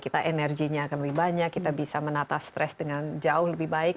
kita energinya akan lebih banyak kita bisa menata stres dengan jauh lebih baik